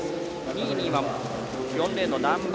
２位には４レーン、難波。